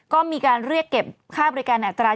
ก็มีการเรียกเก็บค่าบริการอัตรา